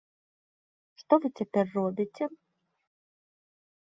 Што вы цяпер робіце?